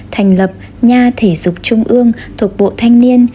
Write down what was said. thành lập nha thể dục trung ương thuộc bộ thanh niên